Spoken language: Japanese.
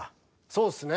そうっすね。